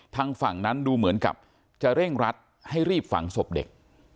ทางฝั่งนั้นดูเหมือนกับจะเร่งรัดให้รีบฝังศพเด็ก